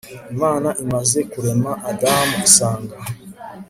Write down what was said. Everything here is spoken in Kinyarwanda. imana imaze kurema adamu isanga